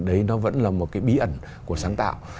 đấy nó vẫn là một cái bí ẩn của sáng tạo